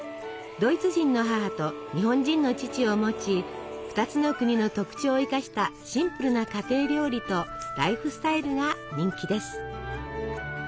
ドイツ人の母と日本人の父を持ち２つの国の特徴を生かしたシンプルな家庭料理とライフスタイルが人気です。